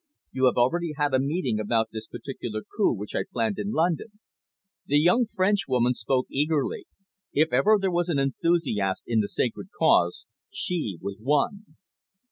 "You have already had a meeting about this particular coup which I planned in London." The young Frenchwoman spoke eagerly. If ever there was an enthusiast in the sacred cause, she was one.